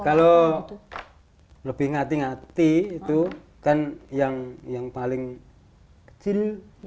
kalau lebih ngati ngati itu kan yang paling kecil